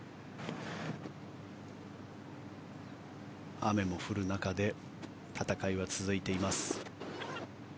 雨も降る中で戦いは続いています。